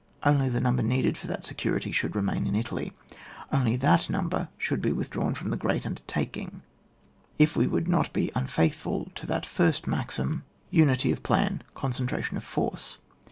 Only the number needed for that security should remain in Italy, only that number should be withdrawn from the great undertaking, if we would not be unfaithful to that first maxim, Unity of plan, eoneenfratian of force.